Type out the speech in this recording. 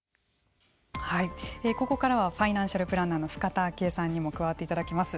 ここからはファイナンシャルプランナーの深田晶恵さんにも加わっていただきます。